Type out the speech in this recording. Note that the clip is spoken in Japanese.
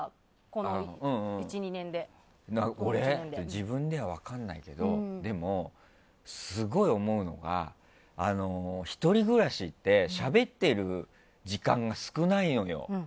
自分では分からないけどすごい思うのが一人暮らしってしゃべってる時間が少ないのよ。